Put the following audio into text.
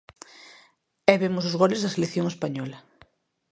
E vemos os goles da selección española.